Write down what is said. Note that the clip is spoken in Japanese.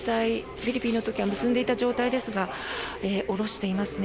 フィリピンの時は結んでいた状態でしたが下ろしていますね。